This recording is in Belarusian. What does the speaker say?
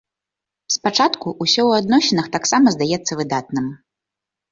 Спачатку ўсё ў адносінах таксама здаецца выдатным.